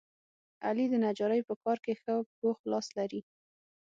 علي د نجارۍ په کار کې ښه پوخ لاس لري.